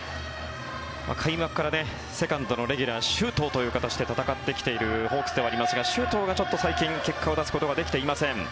開幕からセカンドのレギュラー周東という形で戦ってきているホークスではありますが周東がちょっと最近、結果を出すことができていません。